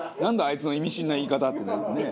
あいつの意味深な言い方ってなるよね。